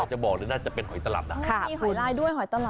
จะบอกเลยน่าจะเป็นหอยตลับนะค่ะมีหอยลายด้วยหอยตลับ